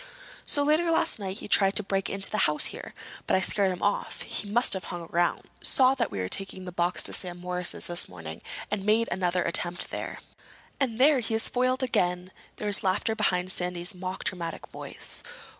So later last night he tried to break into the house here, but I scared him off. He must have hung around, saw that we were taking the box to Sam Morris's this morning, and made another attempt there." "And there he is foiled again!" There was laughter behind Sandy's mock dramatic voice.